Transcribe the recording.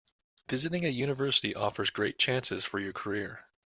Visiting a university offers great chances for your career.